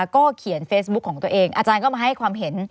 ก็เขียนเฟซบุ๊คของตัวเองอาจารย์ก็มาให้ความเห็น